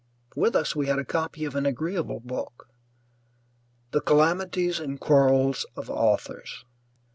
With us we had a copy of an agreeable book, "The Calamities and Quarrels of Authors."